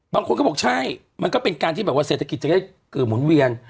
บางคนก็บอกใช่มันก็เป็นการที่แบบว่าเศรษฐกิจจะได้หมุนเวียน